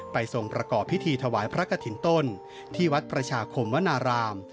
ทรงประกอบพิธีถวายพระกฐินต้นที่วัดประชาคมวนาราม